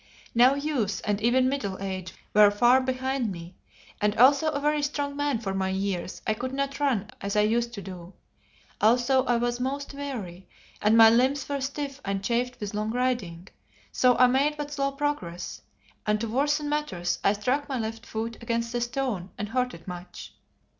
Now youth and even middle age were far behind me, and although a very strong man for my years, I could not run as I used to do. Also I was most weary, and my limbs were stiff and chafed with long riding, so I made but slow progress, and to worsen matters I struck my left foot against a stone and hurt it much.